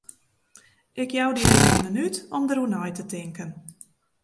Ik jou dy efkes in minút om dêroer nei te tinken.